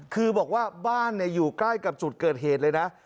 คือบอกว่าบ้านอยู่ใกล้กับจุดเกิดเหตุเลยนะ